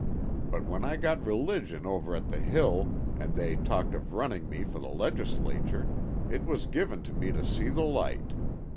But when I got religion over at the Hill and they talked of running me for the Legislature it was given to me to see the light.